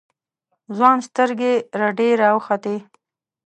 ځوان سترگې رډې راوختې.